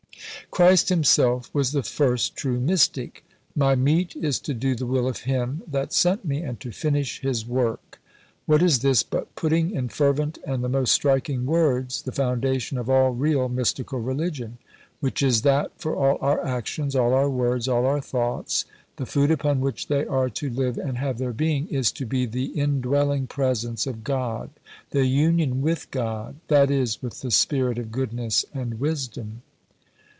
Christ Himself was the first true Mystic. "My meat is to do the will of Him that sent me and to finish His work." What is this but putting in fervent and the most striking words the foundation of all real Mystical Religion? which is that for all our actions, all our words, all our thoughts, the food upon which they are to live and have their being is to be the indwelling Presence of God, the union with God; that is, with the Spirit of Goodness and Wisdom.